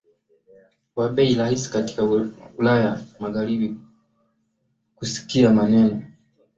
wa bei rahisi katika Ulaya Magharibi Kusikia maneno